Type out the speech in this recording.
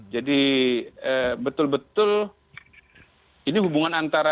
jadi betul betul ini hubungan antara